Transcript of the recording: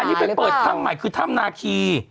อันนี้เปิดท่ำใหม่คือท่ำนาคี